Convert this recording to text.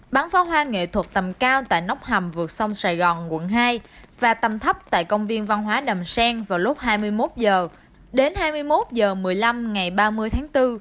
bán pháo hoa nghệ thuật tầm cao tại nóc hầm vượt sông sài gòn quận hai và tầm thấp tại công viên văn hóa đầm sen vào lúc hai mươi một h đến hai mươi một h một mươi năm ngày ba mươi tháng bốn